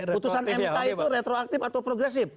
putusan mk itu retroaktif atau progresif